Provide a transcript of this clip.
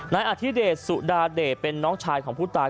นายอธิเดชสุดาเดชเป็นน้องชายของผู้ตาย